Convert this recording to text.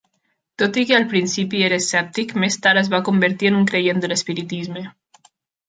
Tot i que al principi era escèptic, més tard es va convertir en un creient de l'espiritisme.